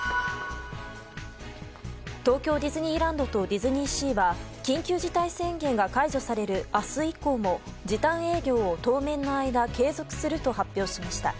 東京ディズニーランドとディズニーシーは緊急事態宣言が解除される明日以降も時短営業を当面の間継続すると発表しました。